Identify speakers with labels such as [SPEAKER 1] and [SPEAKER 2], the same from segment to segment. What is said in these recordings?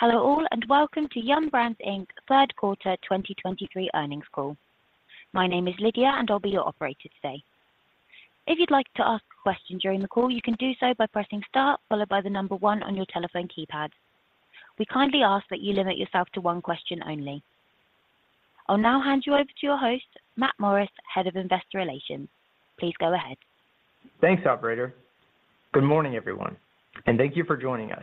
[SPEAKER 1] Hello all, and welcome to Yum! Brands, Inc.'s third quarter 2023 earnings call. My name is Lydia, and I'll be your operator today. If you'd like to ask a question during the call, you can do so by pressing Star, followed by the number one on your telephone keypad. We kindly ask that you limit yourself to question only. I'll now hand you over to your host, Matt Morris, Head of Investor Relations. Please go ahead.
[SPEAKER 2] Thanks, operator. Good morning, everyone, and thank you for joining us.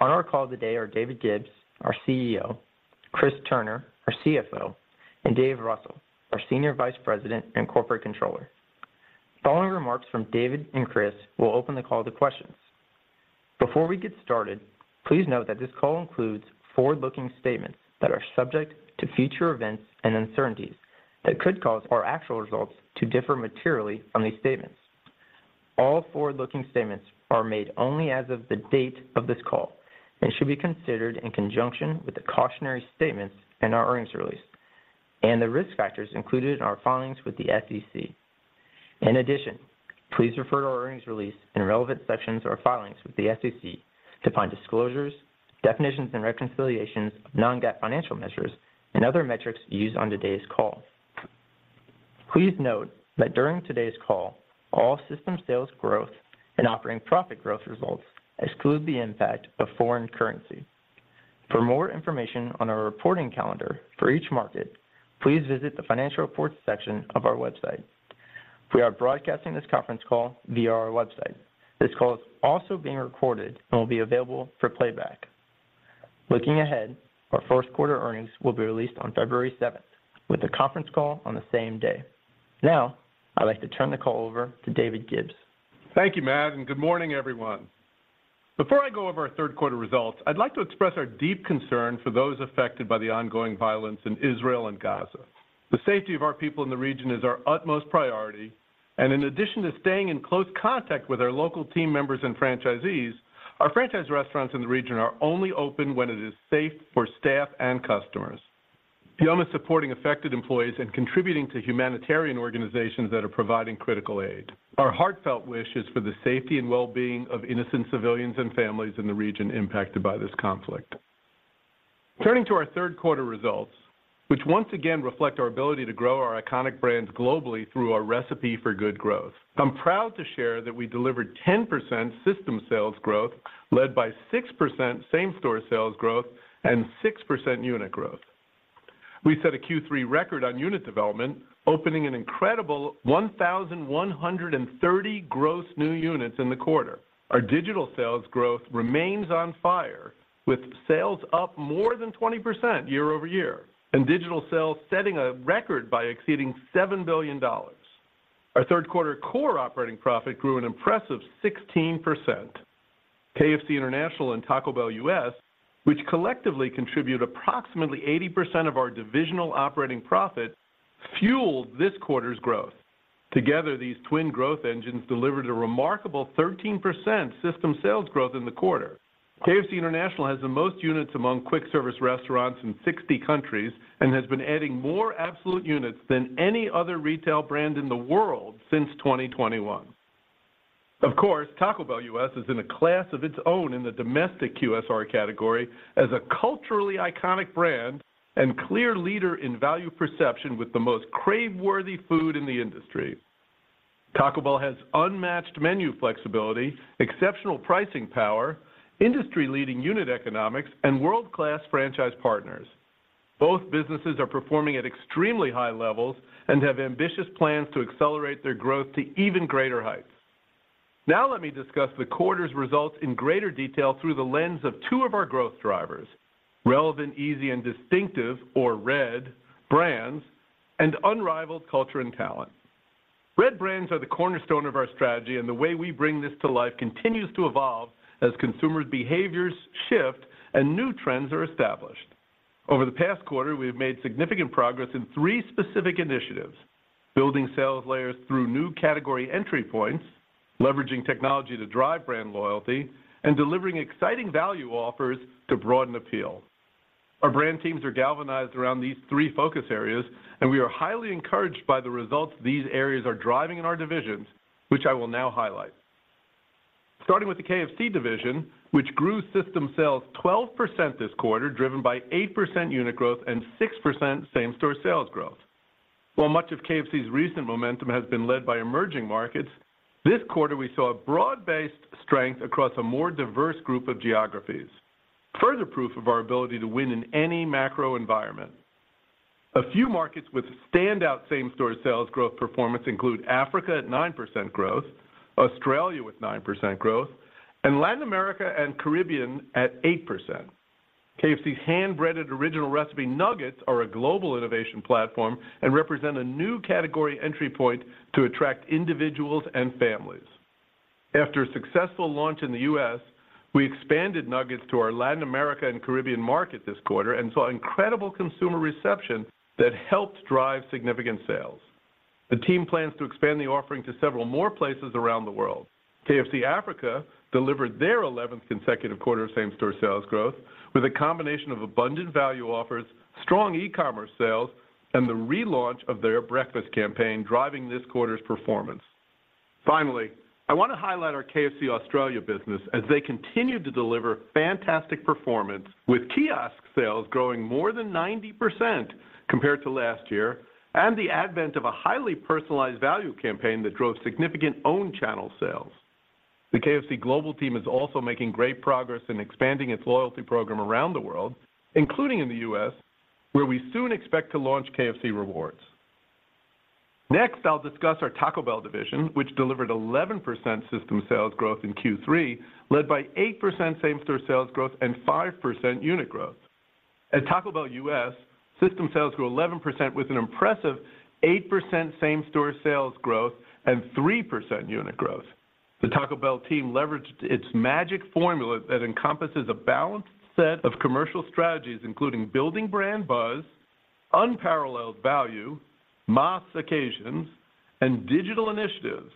[SPEAKER 2] On our call today are David Gibbs, our CEO, Chris Turner, our CFO, and Dave Russell, our Senior Vice President and Corporate Controller. Following remarks from David and Chris, we'll open the call to questions. Before we get started, please note that this call includes forward-looking statements that are subject to future events and uncertainties that could cause our actual results to differ materially from these statements. All forward-looking statements are made only as of the date of this call and should be considered in conjunction with the cautionary statements in our earnings release and the risk factors included in our filings with the SEC. In addition, please refer to our earnings release and relevant sections or filings with the SEC to find disclosures, definitions and reconciliations of non-GAAP financial measures and other metrics used on today's call. Please note that during today's call, all system sales growth and operating profit growth results exclude the impact of foreign currency. For more information on our reporting calendar for each market, please visit the Financial Reports section of our website. We are broadcasting this conference call via our website. This call is also being recorded and will be available for playback. Looking ahead, our first quarter earnings will be released on February seventh, with a conference call on the same day. Now, I'd like to turn the call over to David Gibbs.
[SPEAKER 3] Thank you, Matt, and good morning, everyone. Before I go over our third quarter results, I'd like to express our deep concern for those affected by the ongoing violence in Israel and Gaza. The safety of our people in the region is our utmost priority, and in addition to staying in close contact with our local team members and franchisees, our franchise restaurants in the region are only open when it is safe for staff and customers. Yum! is supporting affected employees and contributing to humanitarian organizations that are providing critical aid. Our heartfelt wish is for the safety and well-being of innocent civilians and families in the region impacted by this conflict. Turning to our third quarter results, which once again reflect our ability to grow our iconic brands globally through our recipe for good growth. I'm proud to share that we delivered 10% system sales growth, led by 6% same-store sales growth and 6% unit growth. We set a Q3 record on unit development, opening an incredible 1,130 gross new units in the quarter. Our digital sales growth remains on fire, with sales up more than 20% year-over-year, and digital sales setting a record by exceeding $7 billion. Our third quarter core operating profit grew an impressive 16%. KFC International and Taco Bell U.S., which collectively contribute approximately 80% of our divisional operating profit, fueled this quarter's growth. Together, these twin growth engines delivered a remarkable 13% system sales growth in the quarter. KFC International has the most units among quick-service restaurants in 60 countries and has been adding more absolute units than any other retail brand in the world since 2021. Of course, Taco Bell U.S. is in a class of its own in the domestic QSR category as a culturally iconic brand and clear leader in value perception with the most crave-worthy food in the industry. Taco Bell has unmatched menu flexibility, exceptional pricing power, industry-leading unit economics, and world-class franchise partners. Both businesses are performing at extremely high levels and have ambitious plans to accelerate their growth to even greater heights. Now let me discuss the quarter's results in greater detail through the lens of two of our growth drivers: Relevant, Easy, and Distinctive, or RED brands, and unrivaled culture and talent. RED brands are the cornerstone of our strategy, and the way we bring this to life continues to evolve as consumers' behaviors shift and new trends are established. Over the past quarter, we have made significant progress in three specific initiatives: building sales layers through new category entry points, leveraging technology to drive brand loyalty, and delivering exciting value offers to broaden appeal. Our brand teams are galvanized around these three focus areas, and we are highly encouraged by the results these areas are driving in our divisions, which I will now highlight. Starting with the KFC division, which grew system sales 12% this quarter, driven by 8% unit growth and 6% same-store sales growth. While much of KFC's recent momentum has been led by emerging markets, this quarter we saw a broad-based strength across a more diverse group of geographies. Further proof of our ability to win in any macro environment. A few markets with standout same-store sales growth performance include Africa at 9% growth, Australia with 9% growth, and Latin America and Caribbean at 8%. KFC's hand-breaded original recipe nuggets are a global innovation platform and represent a new category entry point to attract individuals and families. After a successful launch in the U.S., we expanded nuggets to our Latin America and Caribbean market this quarter and saw incredible consumer reception that helped drive significant sales. The team plans to expand the offering to several more places around the world. KFC Africa delivered their eleventh consecutive quarter of same-store sales growth with a combination of abundant value offers, strong e-commerce sales, and the relaunch of their breakfast campaign, driving this quarter's performance.... Finally, I want to highlight our KFC Australia business as they continue to deliver fantastic performance, with kiosk sales growing more than 90% compared to last year, and the advent of a highly personalized value campaign that drove significant own channel sales. The KFC global team is also making great progress in expanding its loyalty program around the world, including in the U.S., where we soon expect to launch KFC Rewards. Next, I'll discuss our Taco Bell division, which delivered 11% system sales growth in Q3, led by 8% same-store sales growth and 5% unit growth. At Taco Bell U.S., system sales grew 11% with an impressive 8% same-store sales growth and 3% unit growth. The Taco Bell team leveraged its magic formula that encompasses a balanced set of commercial strategies, including building brand buzz, unparalleled value, mass occasions, and digital initiatives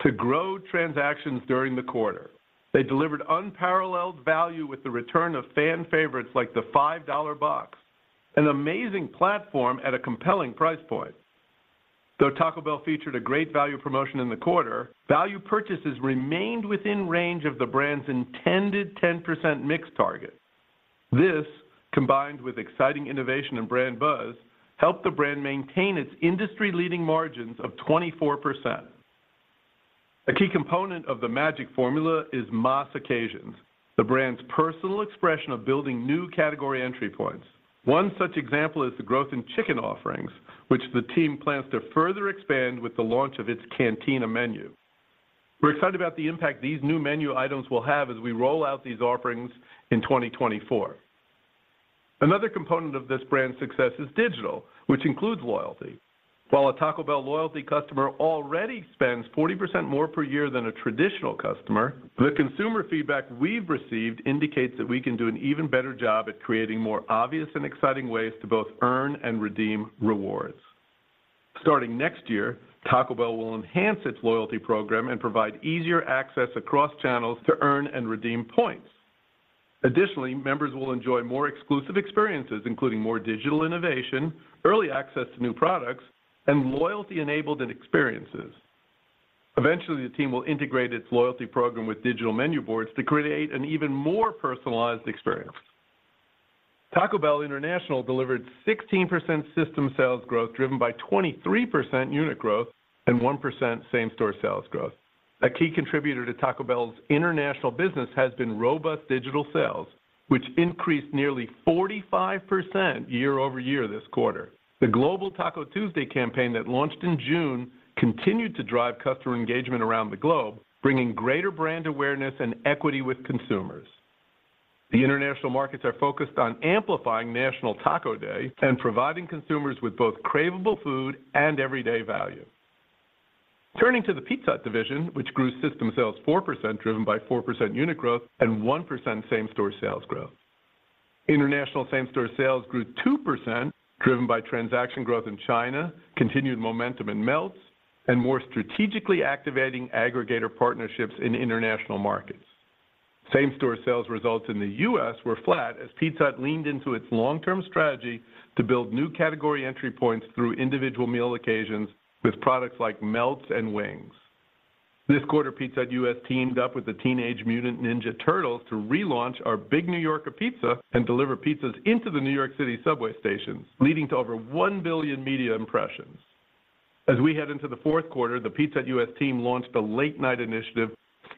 [SPEAKER 3] to grow transactions during the quarter. They delivered unparalleled value with the return of fan favorites like the Five Dollar Box, an amazing platform at a compelling price point. Though Taco Bell featured a great value promotion in the quarter, value purchases remained within range of the brand's intended 10% mix target. This, combined with exciting innovation and brand buzz, helped the brand maintain its industry-leading margins of 24%. A key component of the magic formula is mass occasions, the brand's personal expression of building new category entry points. One such example is the growth in chicken offerings, which the team plans to further expand with the launch of its Cantina menu. We're excited about the impact these new menu items will have as we roll out these offerings in 2024. Another component of this brand's success is digital, which includes loyalty. While a Taco Bell loyalty customer already spends 40% more per year than a traditional customer, the consumer feedback we've received indicates that we can do an even better job at creating more obvious and exciting ways to both earn and redeem rewards. Starting next year, Taco Bell will enhance its loyalty program and provide easier access across channels to earn and redeem points. Additionally, members will enjoy more exclusive experiences, including more digital innovation, early access to new products, and loyalty enabled and experiences. Eventually, the team will integrate its loyalty program with digital menu boards to create an even more personalized experience. Taco Bell International delivered 16% system sales growth, driven by 23% unit growth and 1% same-store sales growth. A key contributor to Taco Bell's international business has been robust digital sales, which increased nearly 45% year-over-year this quarter. The global Taco Tuesday campaign that launched in June continued to drive customer engagement around the globe, bringing greater brand awareness and equity with consumers. The international markets are focused on amplifying National Taco Day and providing consumers with both craveable food and everyday value. Turning to the Pizza Hut division, which grew system sales 4%, driven by 4% unit growth and 1% same-store sales growth. International same-store sales grew 2%, driven by transaction growth in China, continued momentum in Melts, and more strategically activating aggregator partnerships in international markets. Same-store sales results in the U.S. were flat as Pizza Hut leaned into its long-term strategy to build new category entry points through individual meal occasions with products like Melts and wings. This quarter, Pizza Hut U.S. teamed up with the Teenage Mutant Ninja Turtles to relaunch our Big New Yorker pizza and deliver pizzas into the New York City subway stations, leading to over 1 billion media impressions. As we head into the fourth quarter, the Pizza Hut U.S. team launched a late-night initiative,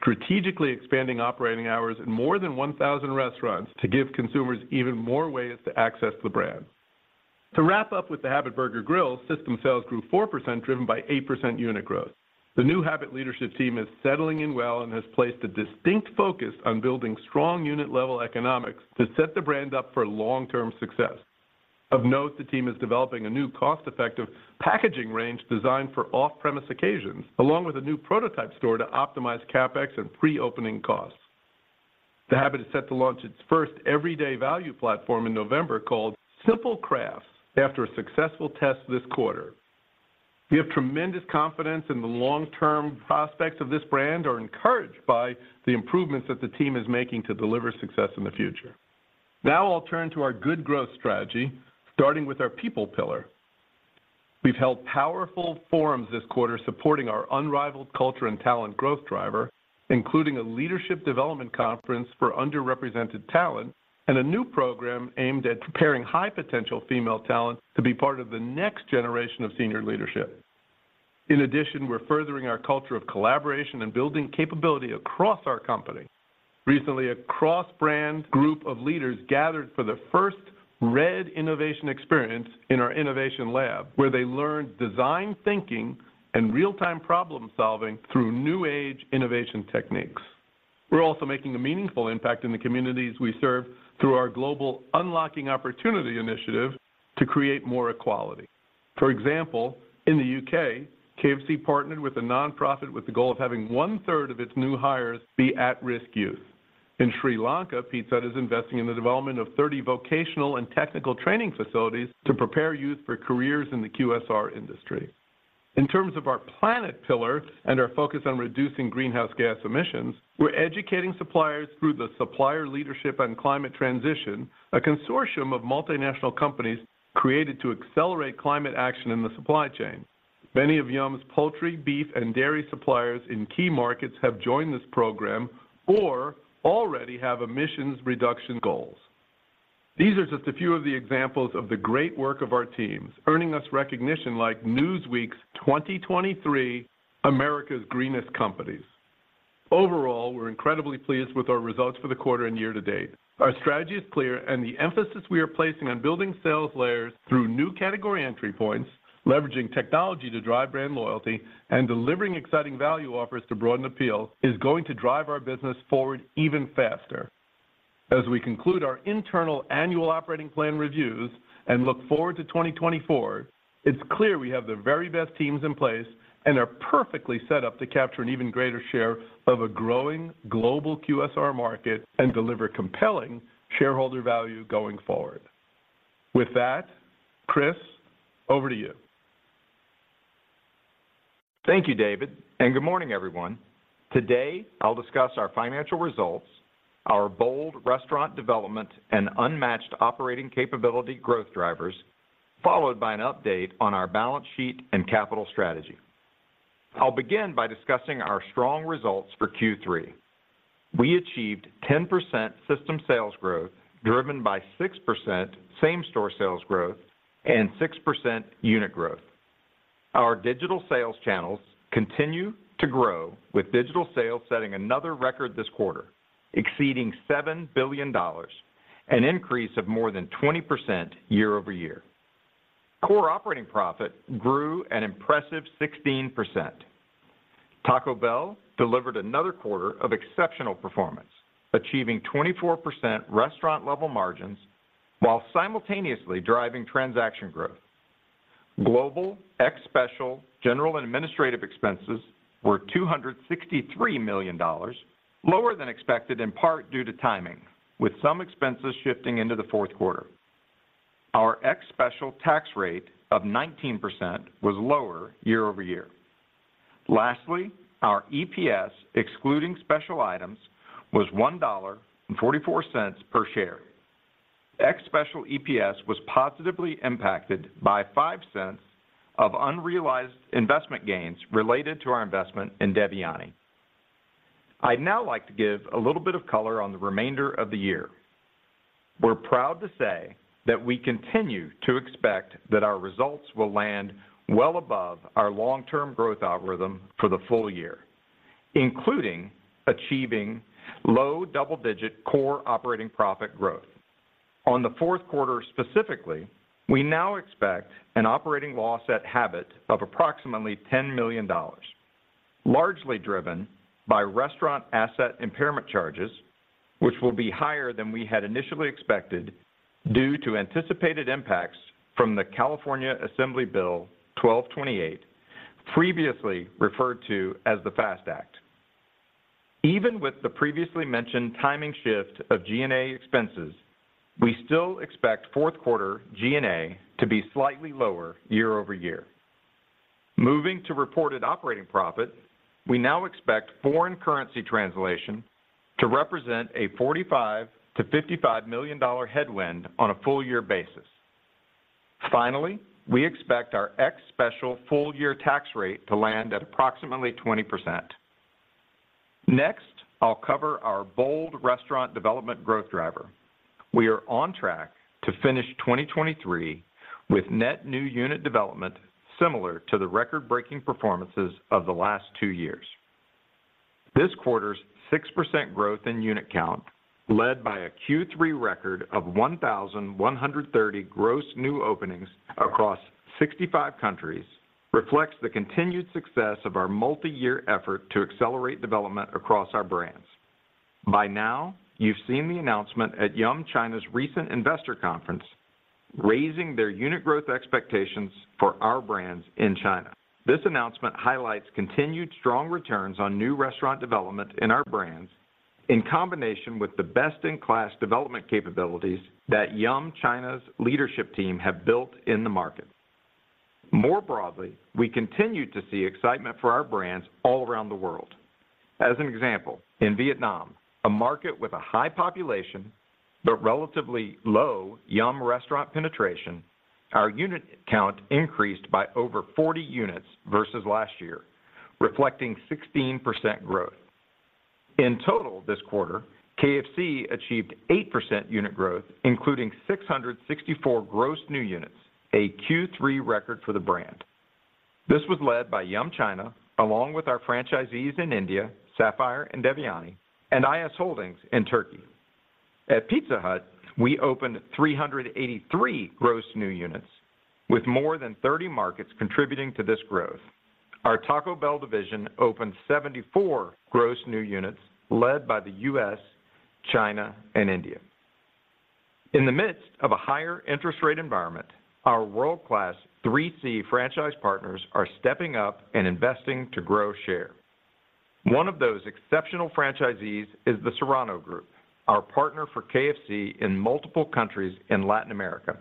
[SPEAKER 3] strategically expanding operating hours in more than 1,000 restaurants to give consumers even more ways to access the brand. To wrap up with the Habit Burger Grill, system sales grew 4%, driven by 8% unit growth. The new Habit leadership team is settling in well and has placed a distinct focus on building strong unit-level economics to set the brand up for long-term success. Of note, the team is developing a new cost-effective packaging range designed for off-premise occasions, along with a new prototype store to optimize CapEx and pre-opening costs. The Habit is set to launch its first everyday value platform in November called Simple Crafts after a successful test this quarter. We have tremendous confidence in the long-term prospects of this brand and are encouraged by the improvements that the team is making to deliver success in the future. Now I'll turn to our good growth strategy, starting with our people pillar. We've held powerful forums this quarter supporting our unrivaled culture and talent growth driver, including a leadership development conference for underrepresented talent and a new program aimed at preparing high-potential female talent to be part of the next generation of senior leadership. In addition, we're furthering our culture of collaboration and building capability across our company. Recently, a cross-brand group of leaders gathered for the first RED Innovation Experience in our innovation lab, where they learned design thinking and real-time problem-solving through new age innovation techniques. We're also making a meaningful impact in the communities we serve through our global Unlocking Opportunity initiative to create more equality. For example, in the UK, KFC partnered with a nonprofit with the goal of having one-third of its new hires be at-risk youth. In Sri Lanka, Pizza Hut is investing in the development of 30 vocational and technical training facilities to prepare youth for careers in the QSR industry. In terms of our planet pillar and our focus on reducing greenhouse gas emissions, we're educating suppliers through the Supplier Leadership on Climate Transition, a consortium of multinational companies created to accelerate climate action in the supply chain. Many of Yum's poultry, beef, and dairy suppliers in key markets have joined this program or already have emissions reduction goals. These are just a few of the examples of the great work of our teams, earning us recognition like Newsweek's 2023 America's Greenest Companies. Overall, we're incredibly pleased with our results for the quarter and year to date. Our strategy is clear, and the emphasis we are placing on building sales layers through new category entry points, leveraging technology to drive brand loyalty, and delivering exciting value offers to broaden appeal is going to drive our business forward even faster. As we conclude our internal annual operating plan reviews and look forward to 2024, it's clear we have the very best teams in place and are perfectly set up to capture an even greater share of a growing global QSR market and deliver compelling shareholder value going forward. With that, Chris, over to you.
[SPEAKER 4] Thank you, David, and good morning, everyone. Today, I'll discuss our financial results, our bold restaurant development, and unmatched operating capability growth drivers, followed by an update on our balance sheet and capital strategy. I'll begin by discussing our strong results for Q3. We achieved 10% system sales growth, driven by 6% same-store sales growth and 6% unit growth. Our digital sales channels continue to grow, with digital sales setting another record this quarter, exceeding $7 billion, an increase of more than 20% year-over-year. Core operating profit grew an impressive 16%. Taco Bell delivered another quarter of exceptional performance, achieving 24% restaurant-level margins while simultaneously driving transaction growth. Global ex special, general and administrative expenses were $263 million, lower than expected, in part due to timing, with some expenses shifting into the fourth quarter. Our ex-special tax rate of 19% was lower year-over-year. Lastly, our EPS, excluding special items, was $1.44 per share. Ex-special EPS was positively impacted by $0.05 of unrealized investment gains related to our investment in Devyani. I'd now like to give a little bit of color on the remainder of the year. We're proud to say that we continue to expect that our results will land well above our long-term growth algorithm for the full year, including achieving low double-digit core operating profit growth. On the fourth quarter specifically, we now expect an operating loss at Habit of approximately $10 million, largely driven by restaurant asset impairment charges, which will be higher than we had initially expected due to anticipated impacts from the California Assembly Bill 1228, previously referred to as the FAST Act. Even with the previously mentioned timing shift of G&A expenses, we still expect fourth quarter G&A to be slightly lower year-over-year. Moving to reported operating profit, we now expect foreign currency translation to represent a $45-$55 million headwind on a full year basis. Finally, we expect our ex special full year tax rate to land at approximately 20%. Next, I'll cover our bold restaurant development growth driver. We are on track to finish 2023 with net new unit development similar to the record-breaking performances of the last two years. This quarter's 6% growth in unit count, led by a Q3 record of 1,130 gross new openings across 65 countries, reflects the continued success of our multi-year effort to accelerate development across our brands. By now, you've seen the announcement at Yum China's recent investor conference, raising their unit growth expectations for our brands in China. This announcement highlights continued strong returns on new restaurant development in our brands, in combination with the best-in-class development capabilities that Yum China's leadership team have built in the market. More broadly, we continue to see excitement for our brands all around the world. As an example, in Vietnam, a market with a high population but relatively low Yum restaurant penetration, our unit count increased by over 40 units versus last year, reflecting 16% growth. In total this quarter, KFC achieved 8% unit growth, including 664 gross new units, a Q3 record for the brand. This was led by Yum China, along with our franchisees in India, Sapphire and Devyani, and IS Holdings in Turkey. At Pizza Hut, we opened 383 gross new units, with more than 30 markets contributing to this growth. Our Taco Bell division opened 74 gross new units led by the U.S., China, and India. In the midst of a higher interest rate environment, our world-class 3C franchise partners are stepping up and investing to grow share. One of those exceptional franchisees is the Serrano Group, our partner for KFC in multiple countries in Latin America.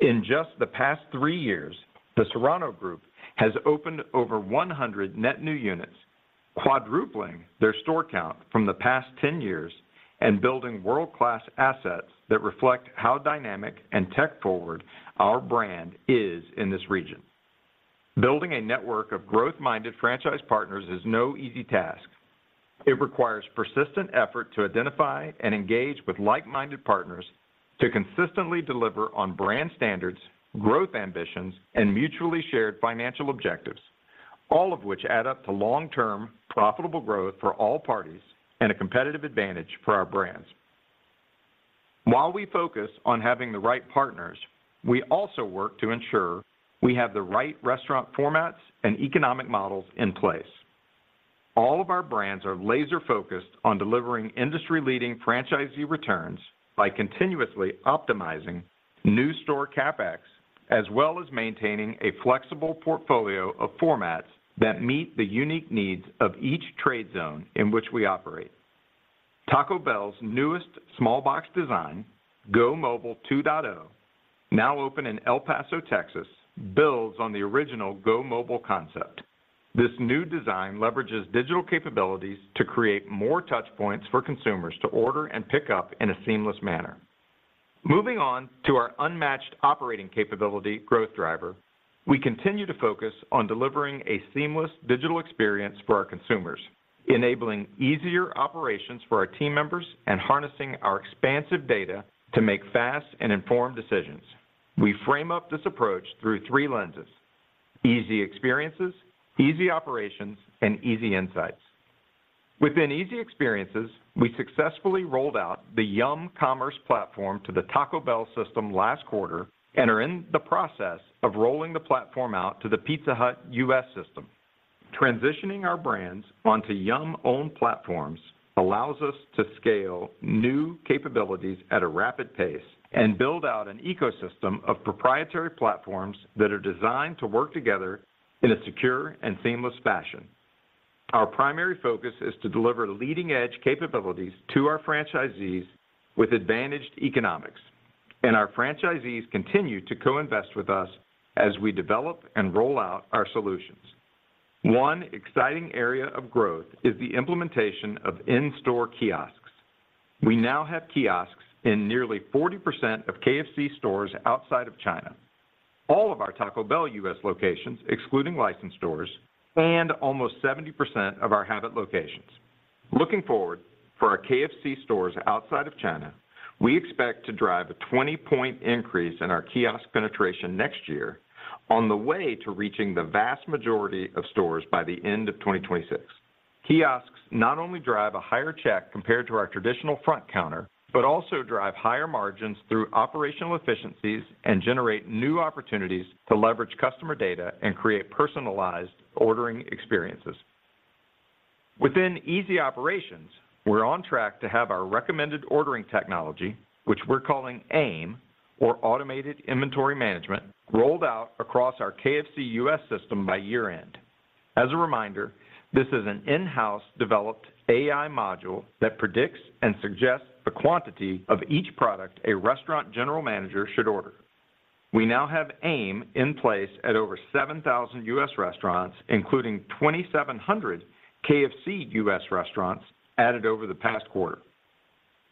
[SPEAKER 4] In just the past 3 years, the Serrano Group has opened over 100 net new units... quadrupling their store count from the past 10 years and building world-class assets that reflect how dynamic and tech-forward our brand is in this region. Building a network of growth-minded franchise partners is no easy task. It requires persistent effort to identify and engage with like-minded partners to consistently deliver on brand standards, growth ambitions, and mutually shared financial objectives, all of which add up to long-term, profitable growth for all parties and a competitive advantage for our brands. While we focus on having the right partners, we also work to ensure we have the right restaurant formats and economic models in place. All of our brands are laser-focused on delivering industry-leading franchisee returns by continuously optimizing new store CapEx, as well as maintaining a flexible portfolio of formats that meet the unique needs of each trade zone in which we operate. Taco Bell's newest small box design, GoMobile 2.0, now open in El Paso, Texas, builds on the original GoMobile concept. This new design leverages digital capabilities to create more touch points for consumers to order and pick up in a seamless manner. Moving on to our unmatched operating capability growth driver, we continue to focus on delivering a seamless digital experience for our consumers, enabling easier operations for our team members, and harnessing our expansive data to make fast and informed decisions. We frame up this approach through three lenses: easy experiences, easy operations, and easy insights. Within easy experiences, we successfully rolled out the Yum Commerce Platform to the Taco Bell system last quarter and are in the process of rolling the platform out to the Pizza Hut U.S. system. Transitioning our brands onto Yum-owned platforms allows us to scale new capabilities at a rapid pace and build out an ecosystem of proprietary platforms that are designed to work together in a secure and seamless fashion. Our primary focus is to deliver leading-edge capabilities to our franchisees with advantaged economics, and our franchisees continue to co-invest with us as we develop and roll out our solutions. One exciting area of growth is the implementation of in-store kiosks. We now have kiosks in nearly 40% of KFC stores outside of China, all of our Taco Bell U.S. locations, excluding licensed stores, and almost 70% of our Habit locations. Looking forward, for our KFC stores outside of China, we expect to drive a 20-point increase in our kiosk penetration next year on the way to reaching the vast majority of stores by the end of 2026. Kiosks not only drive a higher check compared to our traditional front counter, but also drive higher margins through operational efficiencies and generate new opportunities to leverage customer data and create personalized ordering experiences. Within easy operations, we're on track to have our recommended ordering technology, which we're calling AIM, or Automated Inventory Management, rolled out across our KFC US system by year-end. As a reminder, this is an in-house developed AI module that predicts and suggests the quantity of each product a restaurant general manager should order. We now have AIM in place at over 7,000 US restaurants, including 2,700 KFC US restaurants added over the past quarter.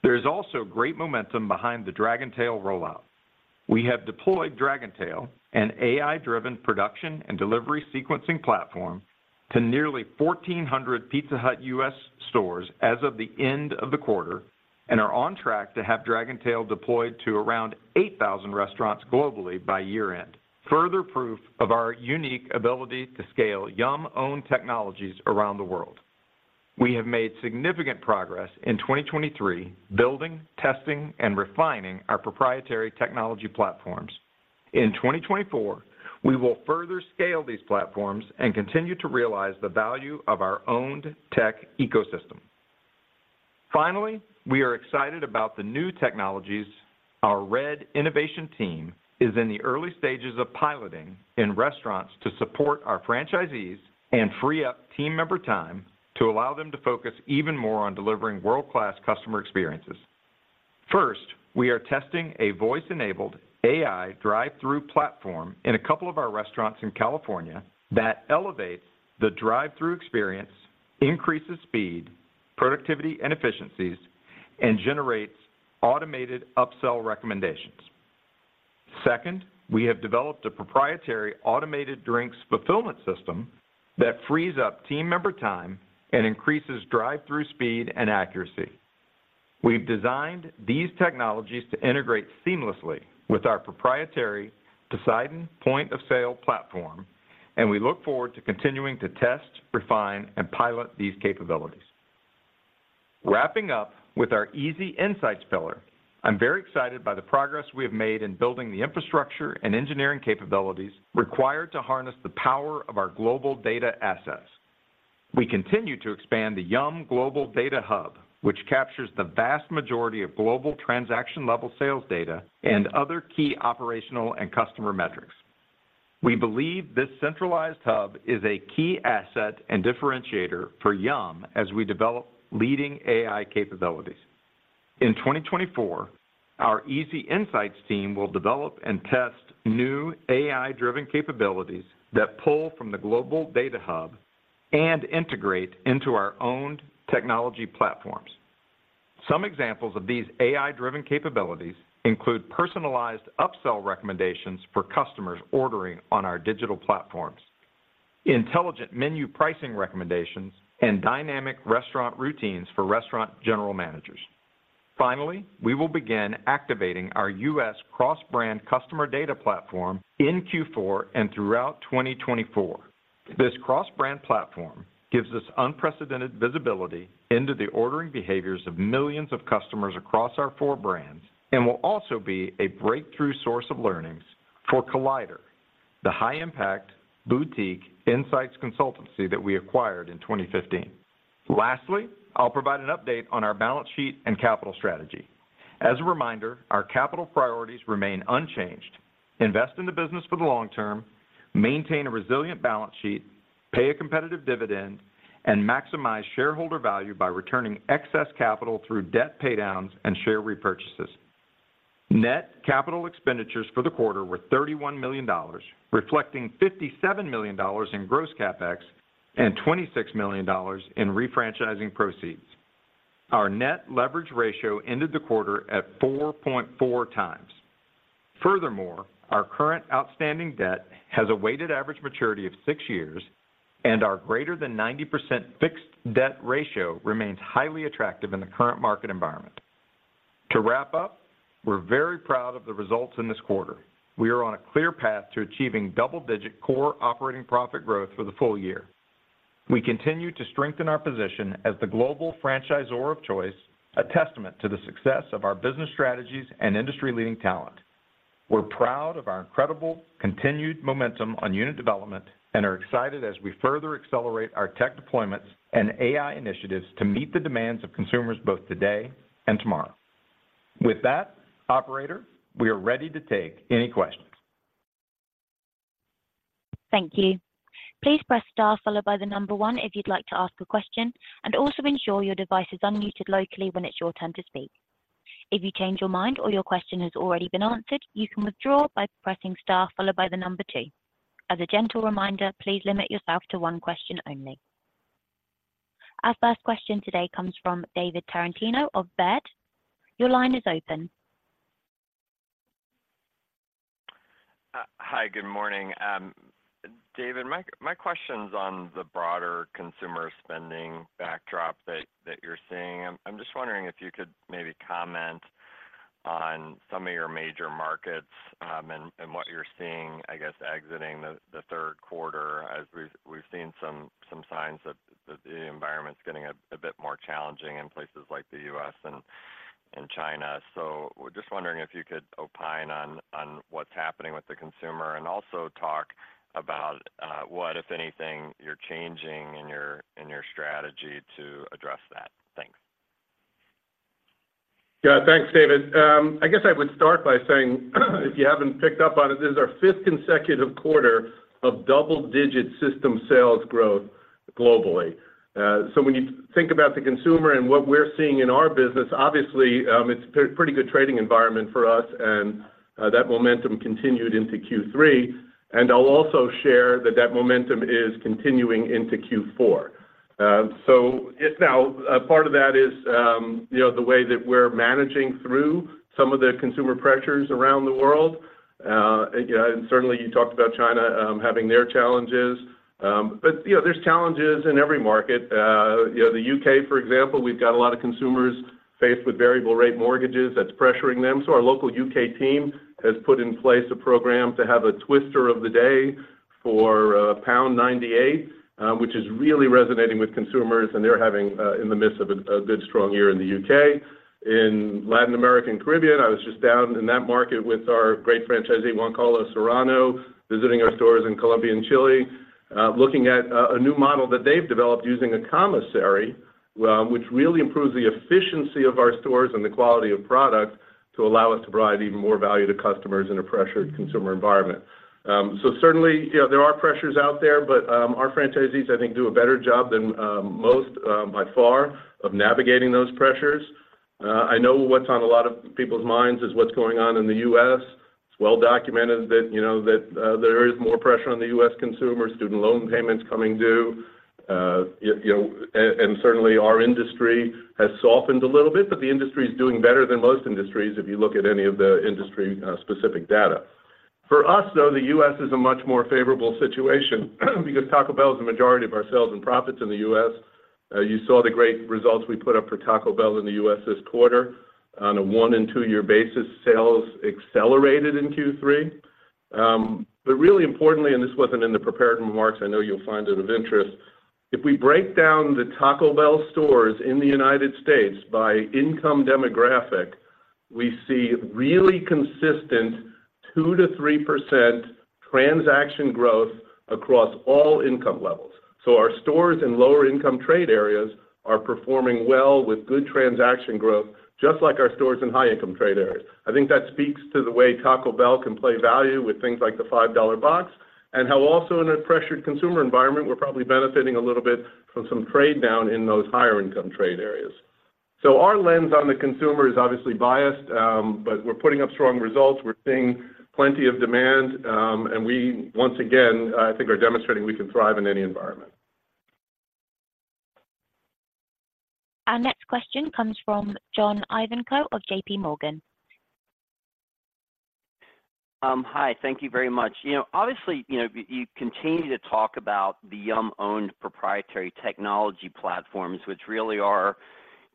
[SPEAKER 4] There is also great momentum behind the Dragontail rollout. We have deployed Dragontail, an AI-driven production and delivery sequencing platform, to nearly 1,400 Pizza Hut US stores as of the end of the quarter and are on track to have Dragontail deployed to around 8,000 restaurants globally by year-end. Further proof of our unique ability to scale Yum-owned technologies around the world. We have made significant progress in 2023, building, testing, and refining our proprietary technology platforms. In 2024, we will further scale these platforms and continue to realize the value of our owned tech ecosystem. Finally, we are excited about the new technologies our R.E.D. innovation team is in the early stages of piloting in restaurants to support our franchisees and free up team member time to allow them to focus even more on delivering world-class customer experiences. First, we are testing a voice-enabled AI drive-thru platform in a couple of our restaurants in California that elevates the drive-thru experience, increases speed, productivity, and efficiencies, and generates automated upsell recommendations. Second, we have developed a proprietary automated drinks fulfillment system that frees up team member time and increases drive-thru speed and accuracy. We've designed these technologies to integrate seamlessly with our proprietary Poseidon point-of-sale platform, and we look forward to continuing to test, refine, and pilot these capabilities. Wrapping up with our easy insights pillar, I'm very excited by the progress we have made in building the infrastructure and engineering capabilities required to harness the power of our global data assets. We continue to expand the Yum Global Data Hub, which captures the vast majority of global transaction-level sales data and other key operational and customer metrics. We believe this centralized hub is a key asset and differentiator for Yum as we develop leading AI capabilities....
[SPEAKER 5] In 2024, our Easy Insights team will develop and test new AI-driven capabilities that pull from the global data hub and integrate into our own technology platforms. Some examples of these AI-driven capabilities include personalized upsell recommendations for customers ordering on our digital platforms, intelligent menu pricing recommendations, and dynamic restaurant routines for restaurant general managers. Finally, we will begin activating our U.S. cross-brand customer data platform in Q4 and throughout 2024. This cross-brand platform gives us unprecedented visibility into the ordering behaviors of millions of customers across our four brands and will also be a breakthrough source of learnings for Collider, the high-impact boutique insights consultancy that we acquired in 2015. Lastly, I'll provide an update on our balance sheet and capital strategy. As a reminder, our capital priorities remain unchanged: invest in the business for the long term, maintain a resilient balance sheet, pay a competitive dividend, and maximize shareholder value by returning excess capital through debt paydowns and share repurchases. Net capital expenditures for the quarter were $31 million, reflecting $57 million in gross CapEx and $26 million in refranchising proceeds. Our net leverage ratio ended the quarter at 4.4 times. Furthermore, our current outstanding debt has a weighted average maturity of 6 years, and our greater than 90% fixed debt ratio remains highly attractive in the current market environment. To wrap up, we're very proud of the results in this quarter. We are on a clear path to achieving double-digit core operating profit growth for the full year. We continue to strengthen our position as the global franchisor of choice, a testament to the success of our business strategies and industry-leading talent. We're proud of our incredible continued momentum on unit development and are excited as we further accelerate our tech deployments and AI initiatives to meet the demands of consumers, both today and tomorrow. With that, operator, we are ready to take any questions.
[SPEAKER 1] Thank you. Please press star followed by the number one if you'd like to ask a question, and also ensure your device is unmuted locally when it's your turn to speak. If you change your mind or your question has already been answered, you can withdraw by pressing star followed by the number two. As a gentle reminder, please limit yourself to one question only. Our first question today comes from David Tarantino of Baird. Your line is open.
[SPEAKER 6] Hi, good morning. David, my question's on the broader consumer spending backdrop that you're seeing. I'm just wondering if you could maybe comment on some of your major markets, and what you're seeing, I guess, exiting the third quarter, as we've seen some signs that the environment's getting a bit more challenging in places like the U.S. and China. So we're just wondering if you could opine on what's happening with the consumer, and also talk about what, if anything, you're changing in your strategy to address that. Thanks.
[SPEAKER 5] Yeah. Thanks, David. I guess I would start by saying, if you haven't picked up on it, this is our fifth consecutive quarter of double-digit system sales growth globally. So when you think about the consumer and what we're seeing in our business, obviously, it's a pretty good trading environment for us, and that momentum continued into Q3, and I'll also share that that momentum is continuing into Q4. So now, a part of that is, you know, the way that we're managing through some of the consumer pressures around the world. You know, and certainly, you talked about China, having their challenges, but you know, there's challenges in every market. You know, the U.K., for example, we've got a lot of consumers faced with variable rate mortgages that's pressuring them. So our local U.K. team has put in place a program to have a Twister of the Day for pound 1.98, which is really resonating with consumers, and they're having in the midst of a good strong year in the U.K. In Latin America and Caribbean, I was just down in that market with our great franchisee, Juan Carlos Serrano, visiting our stores in Colombia and Chile, looking at a new model that they've developed using a commissary, which really improves the efficiency of our stores and the quality of product to allow us to provide even more value to customers in a pressured consumer environment. So certainly, you know, there are pressures out there, but our franchisees, I think, do a better job than most, by far, of navigating those pressures. I know what's on a lot of people's minds is what's going on in the U.S. It's well documented that, you know, that there is more pressure on the U.S. consumer, student loan payments coming due. You know, and certainly, our industry has softened a little bit, but the industry is doing better than most industries if you look at any of the industry specific data. For us, though, the U.S. is a much more favorable situation because Taco Bell is the majority of our sales and profits in the U.S. You saw the great results we put up for Taco Bell in the U.S. this quarter. On a one-year and two-year basis, sales accelerated in Q3. But really importantly, and this wasn't in the prepared remarks, I know you'll find it of interest, if we break down the Taco Bell stores in the United States by income demographic, we see really consistent 2%-3% transaction growth across all income levels. So our stores in lower-income trade areas are performing well with good transaction growth, just like our stores in high-income trade areas. I think that speaks to the way Taco Bell can play value with things like the Five Dollar Box.
[SPEAKER 4] and how also in a pressured consumer environment, we're probably benefiting a little bit from some trade down in those higher income trade areas. So our lens on the consumer is obviously biased, but we're putting up strong results. We're seeing plenty of demand, and we once again, I think, are demonstrating we can thrive in any environment.
[SPEAKER 1] Our next question comes from John Ivankoe of JPMorgan.
[SPEAKER 7] Hi, thank you very much. You know, obviously, you know, you, you continue to talk about the Yum-owned proprietary technology platforms, which really are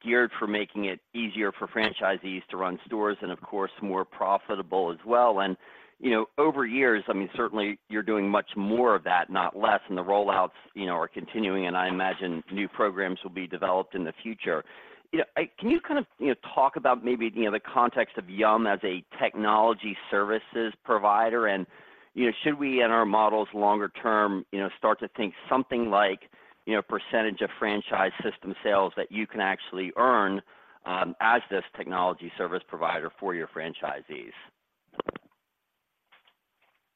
[SPEAKER 7] geared for making it easier for franchisees to run stores and, of course, more profitable as well. And, you know, over years, I mean, certainly you're doing much more of that, not less, and the rollouts, you know, are continuing, and I imagine new programs will be developed in the future. You know, I can you kind of, you know, talk about maybe, you know, the context of Yum as a technology services provider and, you know, should we, in our models longer term, you know, start to think something like, you know, percentage of franchise system sales that you can actually earn, as this technology service provider for your franchisees?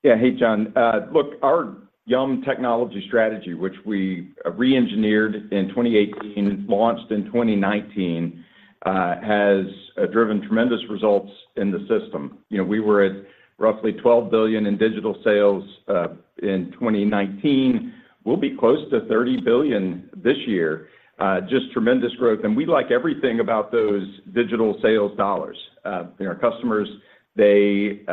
[SPEAKER 4] Yeah. Hey, John. Look, our Yum technology strategy, which we reengineered in 2018 and launched in 2019, has driven tremendous results in the system. You know, we were at roughly $12 billion in digital sales in 2019. We'll be close to $30 billion this year. Just tremendous growth, and we like everything about those digital sales dollars. And our customers, they,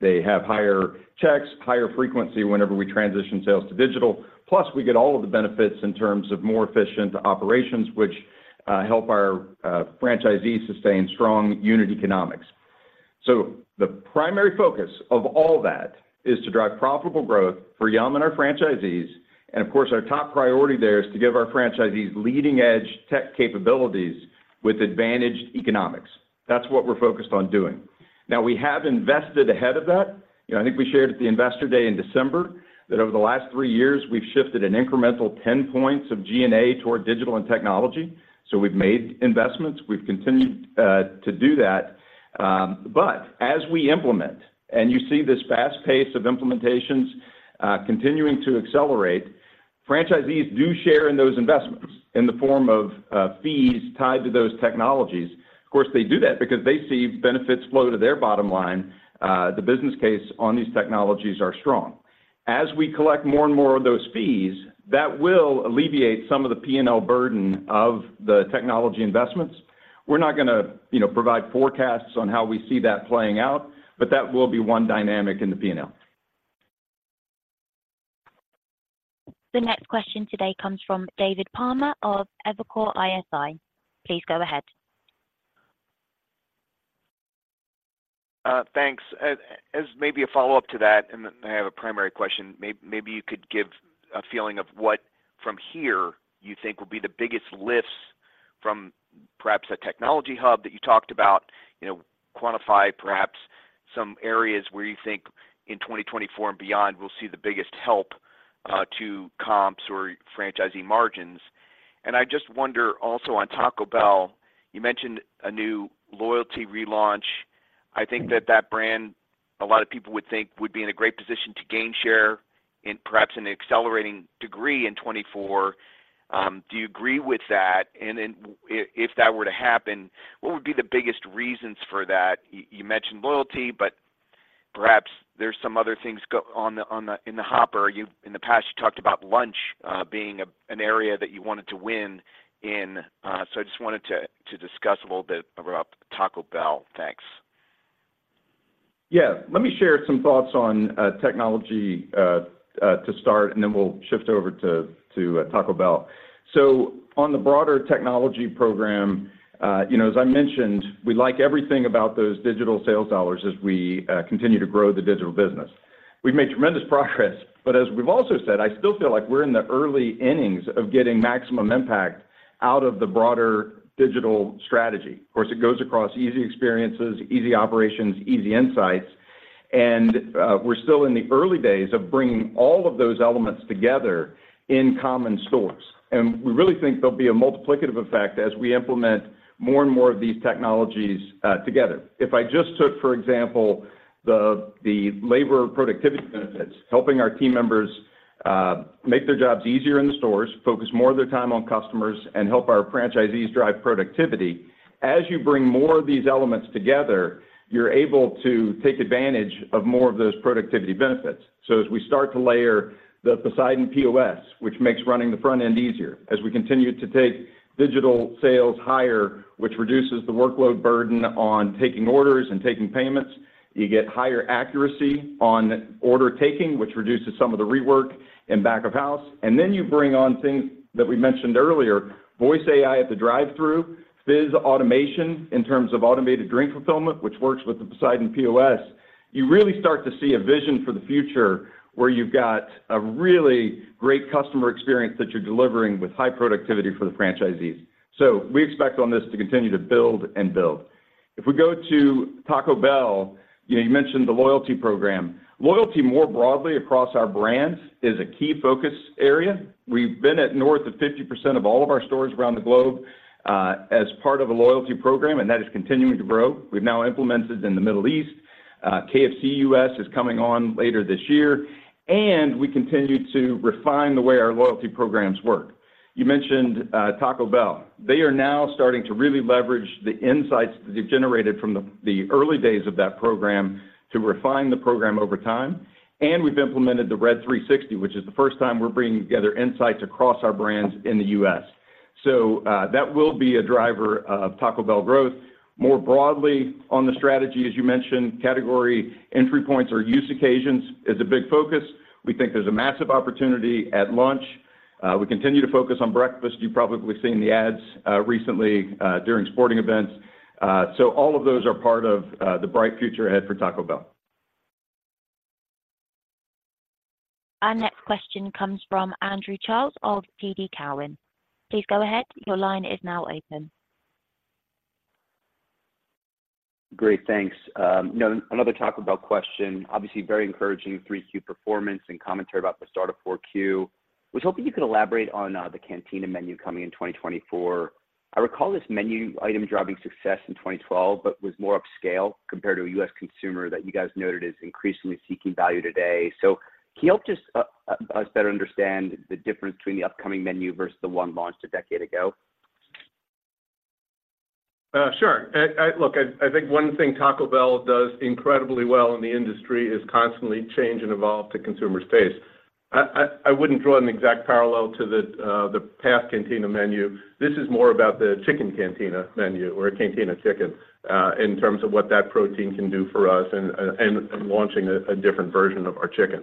[SPEAKER 4] they have higher checks, higher frequency whenever we transition sales to digital, plus we get all of the benefits in terms of more efficient operations, which help our franchisees sustain strong unit economics. So the primary focus of all that is to drive profitable growth for Yum and our franchisees, and of course, our top priority there is to give our franchisees leading-edge tech capabilities with advantaged economics. That's what we're focused on doing. Now, we have invested ahead of that. You know, I think we shared at the Investor Day in December, that over the last three years, we've shifted an incremental 10 points of G&A toward digital and technology. So we've made investments. We've continued to do that, but as we implement and you see this fast pace of implementations continuing to accelerate, franchisees do share in those investments in the form of fees tied to those technologies. Of course, they do that because they see benefits flow to their bottom line. The business case on these technologies are strong. As we collect more and more of those fees, that will alleviate some of the P&L burden of the technology investments. We're not going to, you know, provide forecasts on how we see that playing out, but that will be one dynamic in the P&L.
[SPEAKER 1] The next question today comes from David Palmer of Evercore ISI. Please go ahead.
[SPEAKER 8] Thanks. As maybe a follow-up to that, and then I have a primary question, maybe you could give a feeling of what, from here, you think will be the biggest lifts from perhaps a technology hub that you talked about, you know, quantify perhaps some areas where you think in 2024 and beyond, we'll see the biggest help to comps or franchisee margins. And I just wonder also on Taco Bell, you mentioned a new loyalty relaunch. I think that that brand, a lot of people would think would be in a great position to gain share in perhaps an accelerating degree in 2024. Do you agree with that? And then if that were to happen, what would be the biggest reasons for that? You mentioned loyalty, but perhaps there's some other things going on in the hopper. You've in the past talked about lunch being an area that you wanted to win in. So I just wanted to discuss a little bit about Taco Bell. Thanks.
[SPEAKER 4] Yeah. Let me share some thoughts on technology to start, and then we'll shift over to Taco Bell. So on the broader technology program, you know, as I mentioned, we like everything about those digital sales dollars as we continue to grow the digital business. We've made tremendous progress, but as we've also said, I still feel like we're in the early innings of getting maximum impact out of the broader digital strategy. Of course, it goes across easy experiences, easy operations, easy insights, and we're still in the early days of bringing all of those elements together in common stores. And we really think there'll be a multiplicative effect as we implement more and more of these technologies together. If I just took, for example, the labor productivity benefits, helping our team members make their jobs easier in the stores, focus more of their time on customers, and help our franchisees drive productivity. As you bring more of these elements together, you're able to take advantage of more of those productivity benefits. So as we start to layer the Poseidon POS, which makes running the front end easier, as we continue to take digital sales higher, which reduces the workload burden on taking orders and taking payments, you get higher accuracy on order taking, which reduces some of the rework in back of house. And then you bring on things that we mentioned earlier: voice AI at the drive-thru, fizz automation, in terms of automated drink fulfillment, which works with the Poseidon POS. You really start to see a vision for the future, where you've got a really great customer experience that you're delivering with high productivity for the franchisees. So we expect on this to continue to build and build. If we go to Taco Bell, you know, you mentioned the loyalty program. Loyalty, more broadly across our brands, is a key focus area. We've been at north of 50% of all of our stores around the globe.
[SPEAKER 5] as part of a loyalty program, and that is continuing to grow. We've now implemented in the Middle East, KFC U.S. is coming on later this year, and we continue to refine the way our loyalty programs work. You mentioned, Taco Bell. They are now starting to really leverage the insights that they've generated from the early days of that program to refine the program over time, and we've implemented the RED 360, which is the first time we're bringing together insights across our brands in the U.S. So, that will be a driver of Taco Bell growth. More broadly, on the strategy, as you mentioned, category entry points or use occasions is a big focus. We think there's a massive opportunity at lunch. We continue to focus on breakfast. You've probably seen the ads, recently, during sporting events. So all of those are part of the bright future ahead for Taco Bell.
[SPEAKER 1] Our next question comes from Andrew Charles of TD Cowen. Please go ahead. Your line is now open.
[SPEAKER 9] Great. Thanks. You know, another Taco Bell question. Obviously, very encouraging 3Q performance and commentary about the start of 4Q. Was hoping you could elaborate on the Cantina menu coming in 2024. I recall this menu item driving success in 2012, but was more upscale compared to a U.S. consumer that you guys noted is increasingly seeking value today. So can you help just us better understand the difference between the upcoming menu versus the one launched a decade ago?
[SPEAKER 5] Sure. Look, I think one thing Taco Bell does incredibly well in the industry is constantly change and evolve to consumer taste. I wouldn't draw an exact parallel to the past Cantina menu. This is more about the Chicken Cantina menu or a Cantina Chicken in terms of what that protein can do for us and launching a different version of our chicken.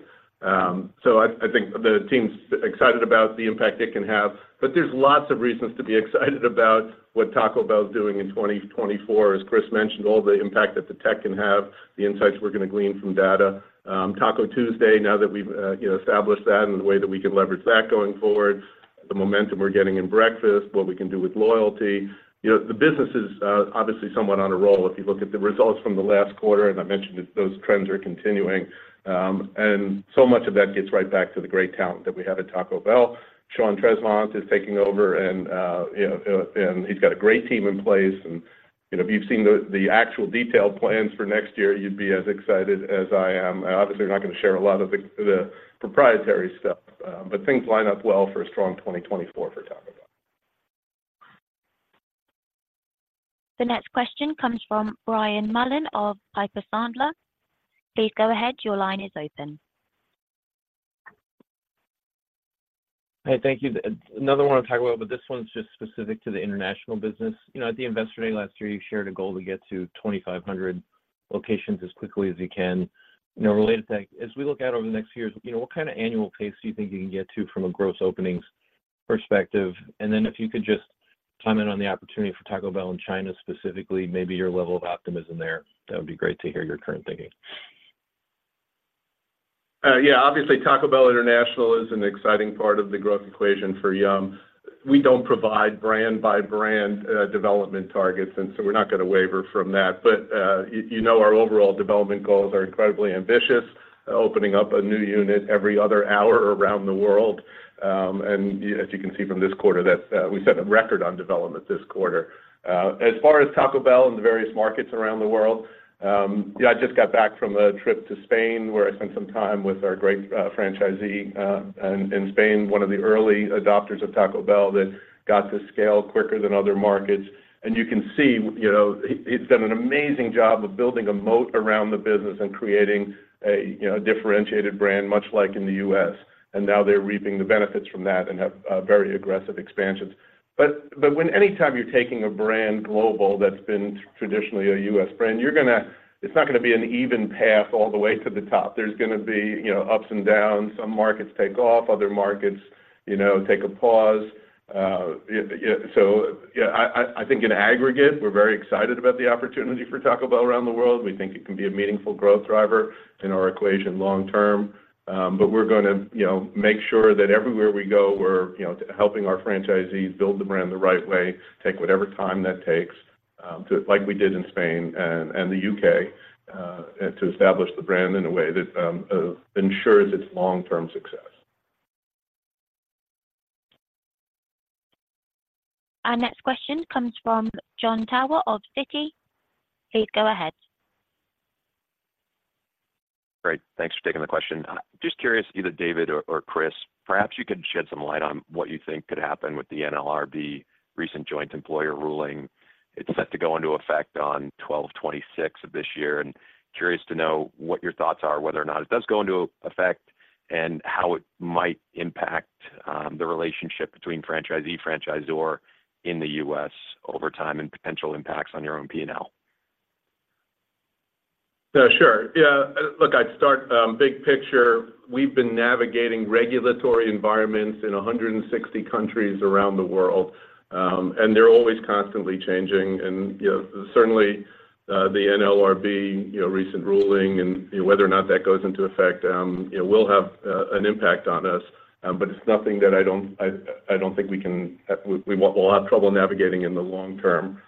[SPEAKER 5] So I think the team's excited about the impact it can have, but there's lots of reasons to be excited about what Taco Bell is doing in 2024. As Chris mentioned, all the impact that the tech can have, the insights we're going to glean from data, Taco Tuesday, now that we've, you know, established that and the way that we can leverage that going forward, the momentum we're getting in breakfast, what we can do with loyalty. You know, the business is, obviously, somewhat on a roll. If you look at the results from the last quarter, and I mentioned that those trends are continuing, and so much of that gets right back to the great talent that we have at Taco Bell. Sean Tresvant is taking over, and, you know, and he's got a great team in place. And, you know, if you've seen the, the actual detailed plans for next year, you'd be as excited as I am. Obviously, we're not going to share a lot of the proprietary stuff, but things line up well for a strong 2024 for Taco Bell.
[SPEAKER 1] The next question comes from Brian Mullan of Piper Sandler. Please go ahead. Your line is open.
[SPEAKER 10] Hey, thank you. Another one on Taco Bell, but this one's just specific to the international business. You know, at the Investor Day last year, you shared a goal to get to 2,500 locations as quickly as you can. You know, related to that, as we look out over the next years, you know, what kind of annual pace do you think you can get to from a gross openings perspective? And then if you could just comment on the opportunity for Taco Bell in China, specifically, maybe your level of optimism there. That would be great to hear your current thinking.
[SPEAKER 5] Yeah, obviously, Taco Bell International is an exciting part of the growth equation for Yum! We don't provide brand-by-brand development targets, and so we're not going to waver from that. But you know, our overall development goals are incredibly ambitious, opening up a new unit every other hour around the world. And as you can see from this quarter, that we set a record on development this quarter. As far as Taco Bell and the various markets around the world, yeah, I just got back from a trip to Spain, where I spent some time with our great franchisee in Spain, one of the early adopters of Taco Bell that got to scale quicker than other markets. You can see, you know, he, he's done an amazing job of building a moat around the business and creating a, you know, differentiated brand, much like in the U.S., and now they're reaping the benefits from that and have very aggressive expansions. But, but when anytime you're taking a brand global that's been traditionally a U.S. brand, you're gonna, it's not gonna be an even path all the way to the top. There's gonna be, you know, ups and downs. Some markets take off, other markets, you know, take a pause. Yeah, so yeah, I, I, I think in aggregate, we're very excited about the opportunity for Taco Bell around the world. We think it can be a meaningful growth driver in our equation long term, but we're gonna, you know, make sure that everywhere we go, we're, you know, helping our franchisees build the brand the right way, take whatever time that takes. Like we did in Spain and the UK, and to establish the brand in a way that ensures its long-term success.
[SPEAKER 1] Our next question comes from Jon Tower of Citi. Please go ahead.
[SPEAKER 11] Great. Thanks for taking the question. Just curious, either David or Chris, perhaps you could shed some light on what you think could happen with the NLRB recent joint employer ruling. It's set to go into effect on 12/26/2023, and curious to know what your thoughts are, whether or not it does go into effect, and how it might impact the relationship between franchisee, franchisor in the U.S. over time and potential impacts on your own P&L.
[SPEAKER 5] Sure. Yeah, look, I'd start big picture. We've been navigating regulatory environments in 160 countries around the world, and they're always constantly changing. And, you know, certainly the NLRB recent ruling and whether or not that goes into effect, it will have an impact on us, but it's nothing that I don't, I don't think we can—we'll have trouble navigating in the long term. Yeah,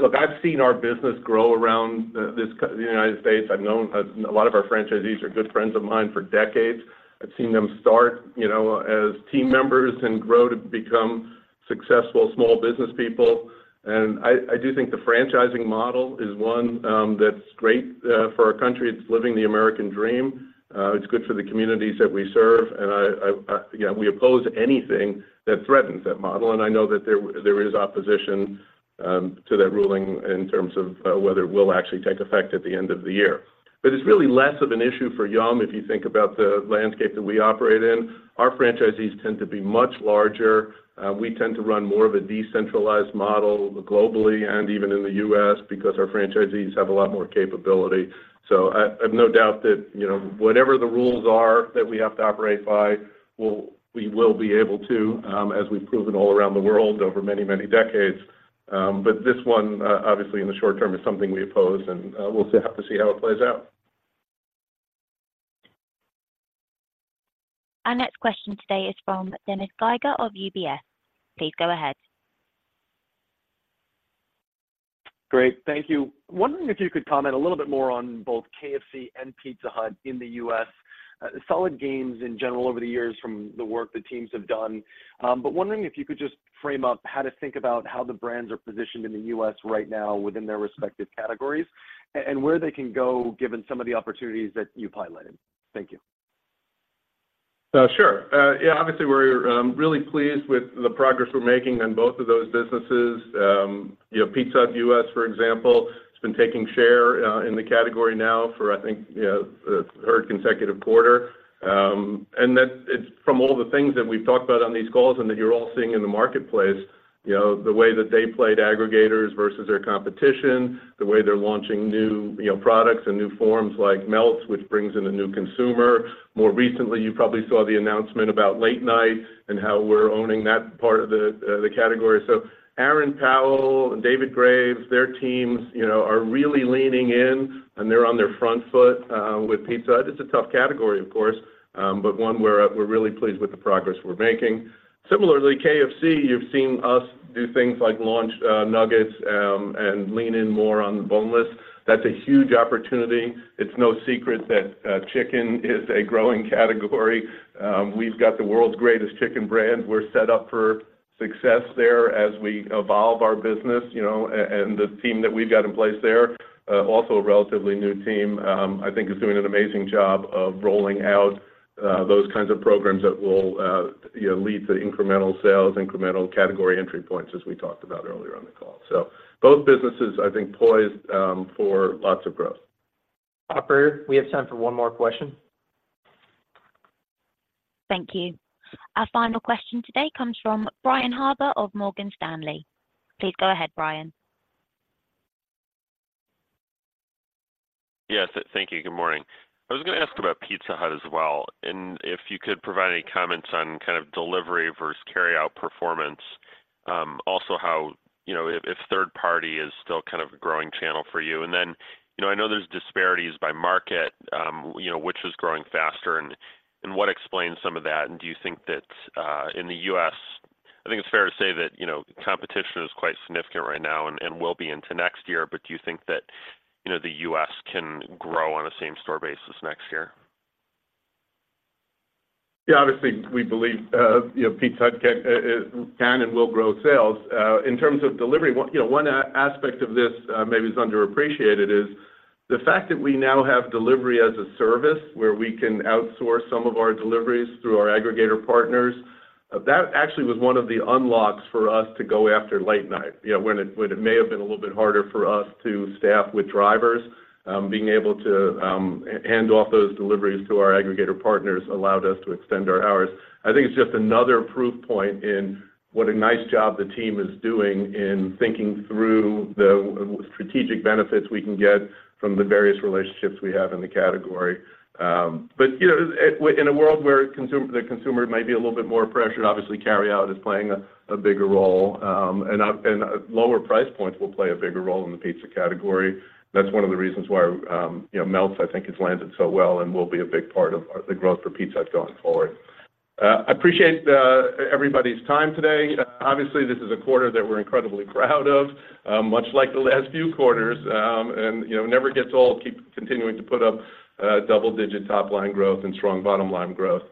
[SPEAKER 5] look, I've seen our business grow around the country, the United States. I've known a lot of our franchisees are good friends of mine for decades. I've seen them start, you know, as team members and grow to become successful small business people. And I do think the franchising model is one that's great for our country. It's living the American dream, it's good for the communities that we serve, and I yeah, we oppose anything that threatens that model, and I know that there is opposition to that ruling in terms of whether it will actually take effect at the end of the year. But it's really less of an issue for Yum! If you think about the landscape that we operate in. Our franchisees tend to be much larger. We tend to run more of a decentralized model globally and even in the U.S. because our franchisees have a lot more capability. So I've no doubt that, you know, whatever the rules are that we have to operate by, we will be able to, as we've proven all around the world over many, many decades. But this one, obviously, in the short term, is something we oppose, and we'll have to see how it plays out.
[SPEAKER 1] Our next question today is from Dennis Geiger of UBS. Please go ahead.
[SPEAKER 12] Great. Thank you. Wondering if you could comment a little bit more on both KFC and Pizza Hut in the U.S. Solid gains in general over the years from the work the teams have done. But wondering if you could just frame up how to think about how the brands are positioned in the U.S. right now within their respective categories, and where they can go, given some of the opportunities that you've highlighted. Thank you.
[SPEAKER 5] Sure. Yeah, obviously, we're really pleased with the progress we're making on both of those businesses. You know, Pizza Hut U.S., for example, has been taking share in the category now for, I think, you know, third consecutive quarter. And that it's from all the things that we've talked about on these calls and that you're all seeing in the marketplace, you know, the way that they played aggregators versus their competition, the way they're launching new, you know, products and new forms like Melts, which brings in a new consumer. More recently, you probably saw the announcement about late night and how we're owning that part of the category. So Aaron Powell and David Graves, their teams, you know, are really leaning in, and they're on their front foot with Pizza Hut. It's a tough category, of course, but one where we're really pleased with the progress we're making. Similarly, KFC, you've seen us do things like launch Nuggets and lean in more on the boneless. That's a huge opportunity. It's no secret that chicken is a growing category. We've got the world's greatest chicken brand. We're set up for success there as we evolve our business, you know, and the team that we've got in place there also a relatively new team, I think is doing an amazing job of rolling out those kinds of programs that will, you know, lead to incremental sales, incremental category entry points, as we talked about earlier on the call. So both businesses, I think, poised for lots of growth.
[SPEAKER 2] Operator, we have time for one more question.
[SPEAKER 1] Thank you. Our final question today comes from Brian Harbour of Morgan Stanley. Please go ahead, Brian.
[SPEAKER 13] Yes, thank you. Good morning. I was gonna ask about Pizza Hut as well, and if you could provide any comments on kind of delivery versus carryout performance, also how, you know, if, if third party is still kind of a growing channel for you. And then, you know, I know there's disparities by market, you know, which is growing faster and, and what explains some of that, and do you think that, in the U.S., I think it's fair to say that, you know, competition is quite significant right now and, and will be into next year, but do you think that, you know, the U.S. can grow on a same-store basis next year?
[SPEAKER 5] Yeah, obviously, we believe, you know, Pizza Hut can and will grow sales. In terms of delivery, one aspect of this maybe is underappreciated is the fact that we now have delivery as a service where we can outsource some of our deliveries through our aggregator partners. That actually was one of the unlocks for us to go after late night. You know, when it may have been a little bit harder for us to staff with drivers, being able to hand off those deliveries to our aggregator partners allowed us to extend our hours. I think it's just another proof point in what a nice job the team is doing in thinking through the strategic benefits we can get from the various relationships we have in the category. But, you know, in a world where the consumer might be a little bit more pressured, obviously, carryout is playing a bigger role, and lower price points will play a bigger role in the pizza category. That's one of the reasons why, you know, Melts, I think, has landed so well and will be a big part of the growth for Pizza Hut going forward. I appreciate everybody's time today. Obviously, this is a quarter that we're incredibly proud of, much like the last few quarters, and, you know, never gets old. Keep continuing to put up double-digit top-line growth and strong bottom-line growth.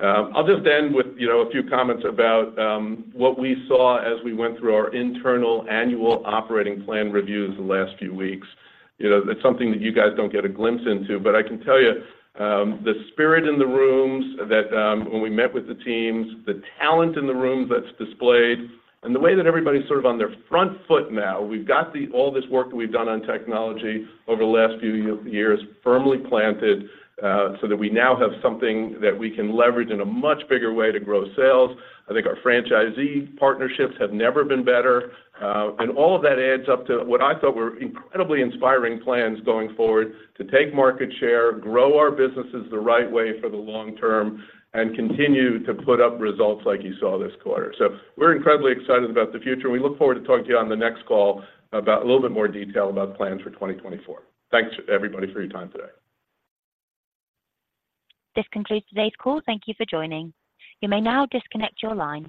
[SPEAKER 5] I'll just end with, you know, a few comments about what we saw as we went through our internal annual operating plan reviews the last few weeks. You know, it's something that you guys don't get a glimpse into, but I can tell you, the spirit in the rooms that, when we met with the teams, the talent in the rooms that's displayed, and the way that everybody's sort of on their front foot now, we've got all this work that we've done on technology over the last few years firmly planted, so that we now have something that we can leverage in a much bigger way to grow sales. I think our franchisee partnerships have never been better, and all of that adds up to what I thought were incredibly inspiring plans going forward to take market share, grow our businesses the right way for the long term, and continue to put up results like you saw this quarter. So we're incredibly excited about the future. We look forward to talking to you on the next call about a little bit more detail about the plans for 2024. Thanks, everybody, for your time today.
[SPEAKER 1] This concludes today's call. Thank you for joining. You may now disconnect your line.